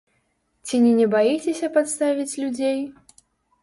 Ці не не баіцеся падставіць людзей?